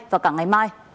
vào ngày bảy tám